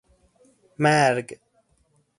مرگ